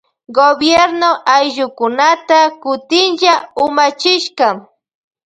Gobierno ayllukunata kutinlla umachishka.